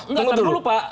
ntar dulu pak